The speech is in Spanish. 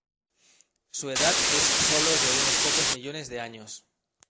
Su edad es sólo de unos pocos millones de años.